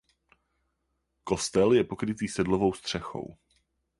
Kostel je pokrytý sedlovou střechou.